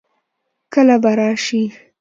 کله به راشي؟